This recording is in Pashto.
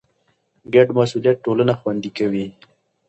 ګډ مسئولیت ټولنه خوندي کوي.